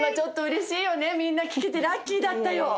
嬉しいよねみんな聴けてラッキーだったよ。